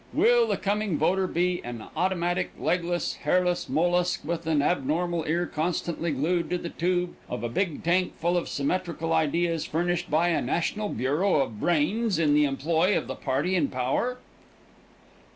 Will the coming voter be an automatic, legless, hairless mollusk with an abnormal ear constantly glued to the tube of a big tank full of symmetrical ideas furnished by a national bureau of brains in the employ of the party in power?